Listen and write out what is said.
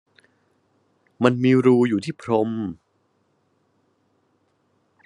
มันมีรูอยู่ที่พรม